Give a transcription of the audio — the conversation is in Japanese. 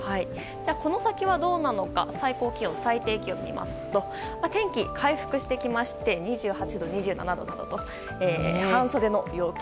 この先どうなのか最高気温と最低気温を見ますと天気回復してきまして２８度などと半袖の陽気。